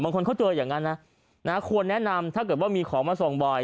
คนเขาเจออย่างนั้นนะควรแนะนำถ้าเกิดว่ามีของมาส่องบ่อย